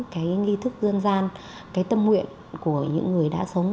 cái nghi thức dân gian cái tâm nguyện của những người đã sống